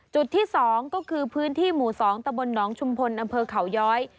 จุดที่๒ก็คือพื้นที่หมู่๒ตะบลหนองชุมพลอำเภอเขาย้อย